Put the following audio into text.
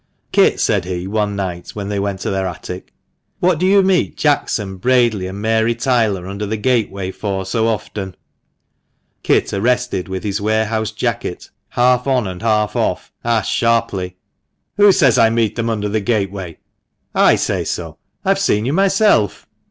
"Kit," said he, one night, when they went to their attic, "what do you meet Jackson, Bradley, and Mary Taylor under the gate way for so often ?" Kit, arrested with his warehouse jacket half on and half of asked sharply —" Who says I meet them under the gateway ?"" I say so. I have seen you myself."